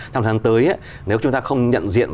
tháng tháng tới nếu chúng ta không nhận diện